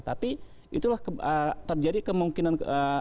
tapi itulah terjadi kemungkinan